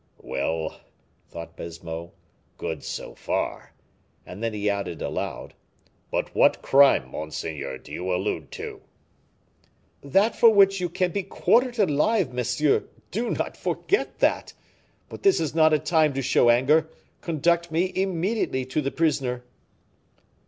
"Well," thought Baisemeaux, "good so far;" and then he added, aloud, "But what crime, monseigneur, do you allude to?" "That for which you can be quartered alive, monsieur do not forget that! But this is not a time to show anger. Conduct me immediately to the prisoner."